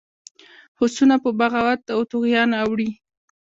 هوسونه په بغاوت او طغیان اوړي.